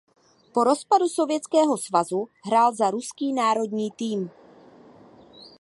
Po rozpadu Sovětského svazu hrál za ruský národní tým.